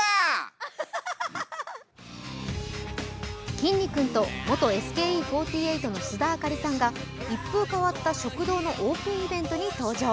きんに君と元ＳＫＥ４８の須田亜香里さんが一風変わった食堂のオープンイベントに登場。